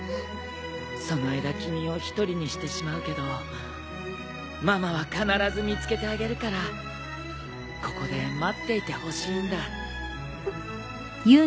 その間君を一人にしてしまうけどママは必ず見つけてあげるからここで待っていてほしいんだ。